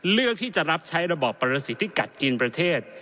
เลือกที่จะรับใช้ระบอบประสิทธิพิกัดกินประเทศ